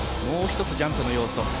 もう一つ、ジャンプの要素。